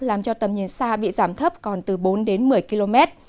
làm cho tầm nhìn xa bị giảm thấp còn từ bốn đến một mươi km